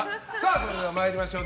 それでは、参りましょう。